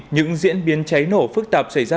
những diễn biến cháy nổ phức tạp xảy ra